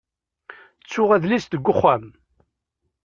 Ttuɣ adlis deg uxxam.